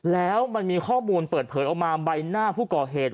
แล้วมันมีข้อมูลเปิดเผยออกมาใบหน้าผู้ก่อเหตุ